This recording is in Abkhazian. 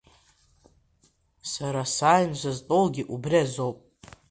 Сара сааины сызтәоугьы убри азоуп.